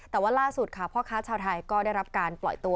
แต่ว่าล่าสุดค่ะพ่อค้าชาวไทยก็ได้รับการปล่อยตัว